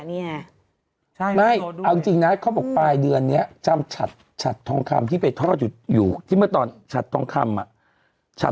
นี่ไงใช่ไม่เอาจริงนะเขาบอกปลายเดือนนี้จำฉัดทองคำที่ไปทอดอยู่ที่เมื่อตอนฉัดทองคำอ่ะ